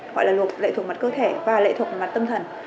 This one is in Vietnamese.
gọi là lệ thuộc vào mặt cơ thể và lệ thuộc vào mặt tâm thần